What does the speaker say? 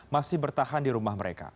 masih bertahan di rumah mereka